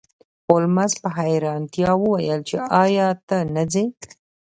هولمز په حیرانتیا وویل چې ایا ته نه ځې